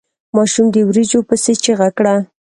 ماشوم د وريجو پسې چيغه کړه.